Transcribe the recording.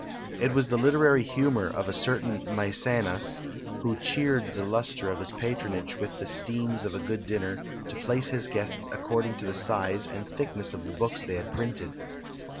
It was the literary humour of a certain Mæcenas, who cheered the lustre of his patronage with the steams of a good dinner, to place his guests according to the size and thickness of the books they had printed.